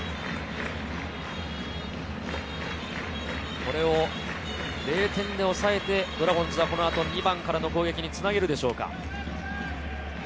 これを０点で抑えてドラゴンズはこの後、２番からの攻撃につなげるでしょうか。